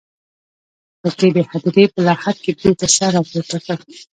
په کې د هديرې په لحد کې بېرته سر راپورته کړ.